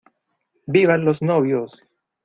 ¡Vivan los novios!